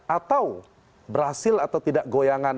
atau berhasil atau tidak goyangan